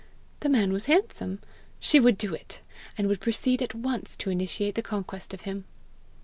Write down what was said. The man was handsome! she would do it! and would proceed at once to initiate the conquest of him!